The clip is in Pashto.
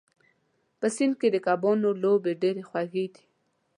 په سیند کې د کبانو لوبې ډېرې خوږې دي.